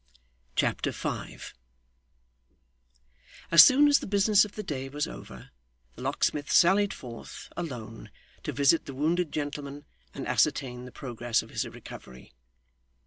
Chapter 5 As soon as the business of the day was over, the locksmith sallied forth, alone, to visit the wounded gentleman and ascertain the progress of his recovery.